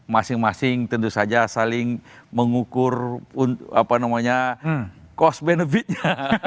masing masing tentu saja saling mengukur cost benefitnya